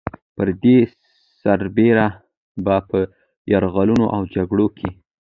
پر دې سربېره به په يرغلونو او جګړو کې